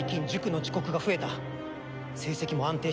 成績も安定していない。